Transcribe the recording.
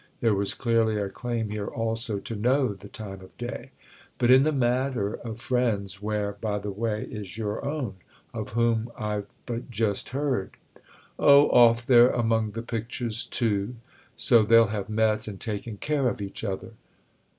There was clearly a claim here also—to know the time of day. "But in the matter of friends where, by the way, is your own—of whom I've but just heard?" "Oh, off there among the pictures too; so they'll have met and taken care of each other."